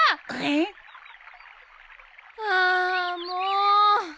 あもう！